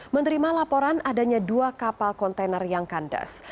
menerima laporan adanya dua kapal kontainer yang kandas